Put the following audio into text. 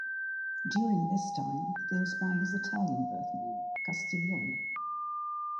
During this time he goes by his Italian birth name, Castiglione.